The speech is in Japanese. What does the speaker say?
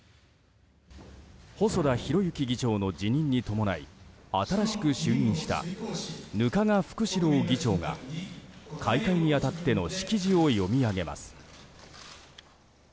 細田博之議長の辞任に伴い新しく就任した額賀福志郎議長が開会に当たっての式辞を読み上げます。